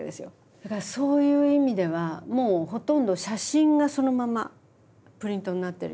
だからそういう意味ではもうほとんど写真がそのままプリントになってるような。